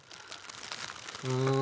うん。